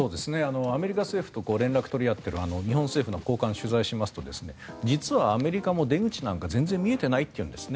アメリカ政府と連絡を取り合っている日本政府の高官に取材しますと実はアメリカも出口なんか全然見えていないというんです。